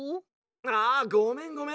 「ああごめんごめん。